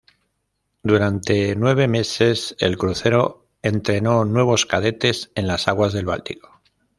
Durante nueve meses, el crucero entrenó nuevos cadetes en las aguas del Báltico.